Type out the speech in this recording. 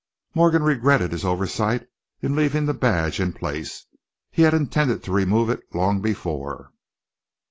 Morgan regretted his oversight in leaving the badge in place. He had intended to remove it, long before.